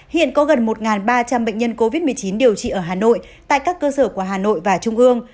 hiện có gần một ba trăm linh bệnh nhân covid một mươi chín điều trị ở hà nội tại các cơ sở của hà nội và trung ương